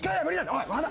おい和田！！